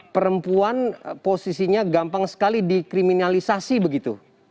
perempuan posisinya gampang sekali dikriminalisasi begitu